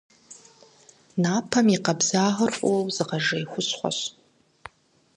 Напэм и къабзагъэр фӏыуэ узыгъэжей хущхъуэщ.